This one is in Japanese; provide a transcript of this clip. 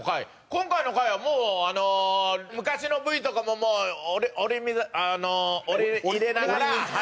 今回の回はもうあの昔のＶとかももうおりみあのおり入れながら。